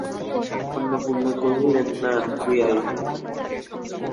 অন্নপূর্ণা কহিলেন, না, তুই আয়।